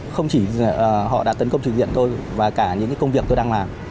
không chỉ họ đã tấn công trình diện tôi và cả những công việc tôi đang làm